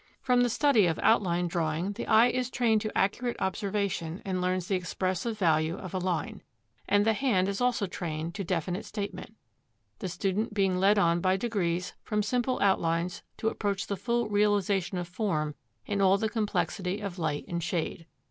From the study of outline drawing the eye is trained to accurate observation and learns the expressive value of a line. And the hand is also trained to definite statement, the student being led on by degrees from simple outlines to approach the full realisation of form in all the complexity of light and shade.